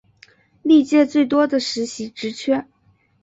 历届最多的实习职缺